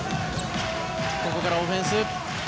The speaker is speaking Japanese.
ここからオフェンス。